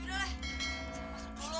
saya masuk dulu